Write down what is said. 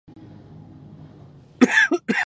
ده د لسګونو قبیلو ځوانان راټول کړل.